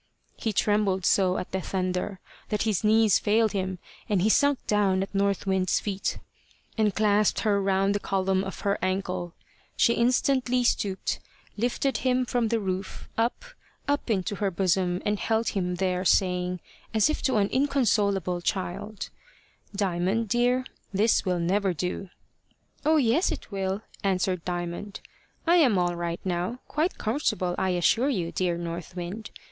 He trembled so at the thunder, that his knees failed him, and he sunk down at North Wind's feet, and clasped her round the column of her ankle. She instantly stooped, lifted him from the roof up up into her bosom, and held him there, saying, as if to an inconsolable child "Diamond, dear, this will never do." "Oh yes, it will," answered Diamond. "I am all right now quite comfortable, I assure you, dear North Wind.